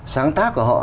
sáng tác của họ